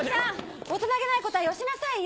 大人げないことはよしなさいよ。